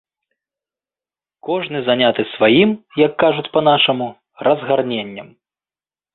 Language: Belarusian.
Кожны заняты сваім, як кажуць па-нашаму, разгарненнем.